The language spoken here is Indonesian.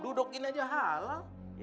dudukin aja halam